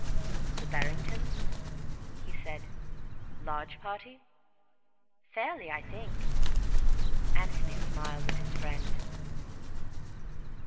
"The Barringtons," he said. "Large party?" "Fairly, I think." Antony smiled at his friend.